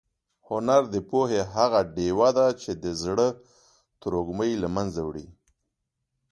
هنر د پوهې هغه ډېوه ده چې د زړه تروږمۍ له منځه وړي.